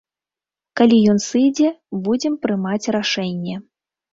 Калі ён сыдзе, будзем прымаць рашэнне.